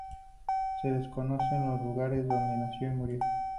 Se desconocen los lugares donde nació y murió.